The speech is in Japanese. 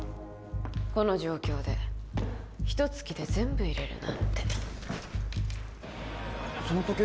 この状況で一突きで全部入れるなんてその時計